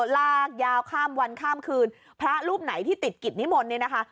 ลากยาวข้ามวันข้ามคืนพระรูปไหนที่ติดกิจนิมนต์เนี่ยนะคะ